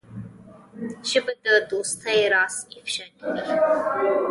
ژبه د دوستۍ راز افشا کوي